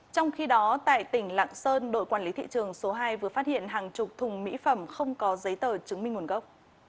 trong khi đó tại tỉnh lạng sơn đội quản lý thị trường số hai vừa phát hiện hàng chục thùng mỹ phẩm không có giấy tờ chứng minh nguồn gốc